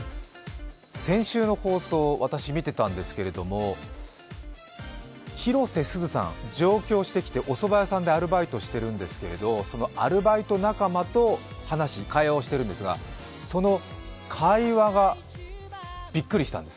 先週の放送、私、見ていたんですけど広瀬すずさん、上京してきておそば屋さんでアルバイトしてるんですけど、そのアルバイト仲間と会話をしているんですが、その会話がびっくりしたんです。